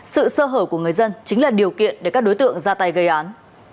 sự sơ hở của người dân chính là điều kiện để các đối tượng ra tay gây án